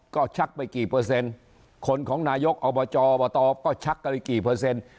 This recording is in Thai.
ก็ชักไปกี่เปอร์เซ็นต์คนของนายกอบจอบตก็ชักกันไปกี่เปอร์เซ็นต์